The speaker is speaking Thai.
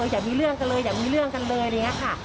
อย่ามีเรื่องกันเลยอย่ามีเรื่องกันเลยอะไรอย่างนี้ค่ะ